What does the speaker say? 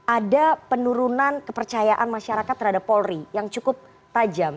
ada penurunan kepercayaan masyarakat terhadap polri yang cukup tajam